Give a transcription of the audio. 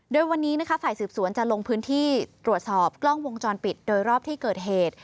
โดยวันนี้นะคะฝ่ายสืบสวนจะลงพื้นที่ตรวจสอบกล้องวงจรปิดโดยรอบที่เกิดเหตุ